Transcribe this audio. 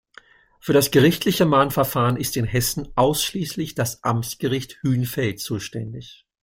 Für das gerichtliche Mahnverfahren ist in Hessen ausschließlich das Amtsgericht Hünfeld zuständig.